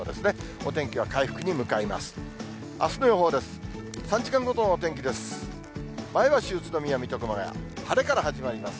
お天気は回復に向かいます。